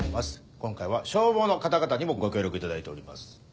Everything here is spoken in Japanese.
今回は消防の方々にもご協力いただいております。